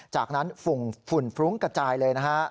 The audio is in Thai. จากนั้นฝุ่นฟรุ้งกระจายเลยนะฮะ